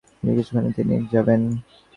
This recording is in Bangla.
কিছুক্ষণ খুঁজেটুজে তিনি চলে যাবেন।